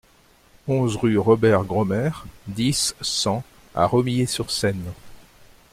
onze rue Robert Graumer, dix, cent à Romilly-sur-Seine